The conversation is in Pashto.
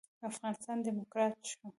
افغانستان ډيموکرات شو.